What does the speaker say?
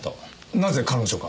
なぜ彼女が？